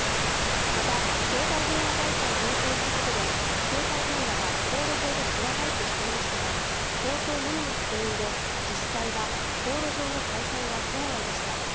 また、携帯電話会社を変更したことで、携帯電話が航路上でつながるとしていましたが口頭のみの確認で実際は航路上の大半が圏外でした。